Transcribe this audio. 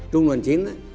trung đoàn chín